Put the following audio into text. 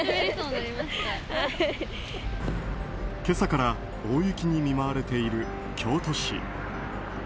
今朝から大雪に見舞われている京都市。